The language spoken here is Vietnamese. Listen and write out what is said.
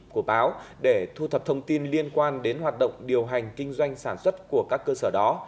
của báo để thu thập thông tin liên quan đến hoạt động điều hành kinh doanh sản xuất của các cơ sở đó